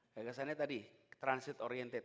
gagasannya tadi transit oriented